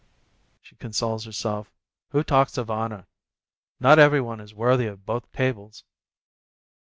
she consoles herself, "who talks of honor? Not every one is worthy of both tables